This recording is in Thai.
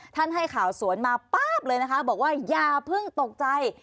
ท่านให้ข่าวสวนมาปั้๊บเลยอย่าเพิ่งตกใจ